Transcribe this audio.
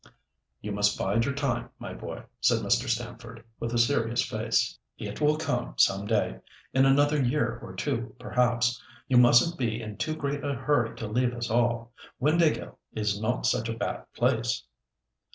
"You must bide your time, my boy," said Mr. Stamford, with a serious face. "It will come some day—in another year or two, perhaps. You mustn't be in too great a hurry to leave us all. Windāhgil is not such a bad place."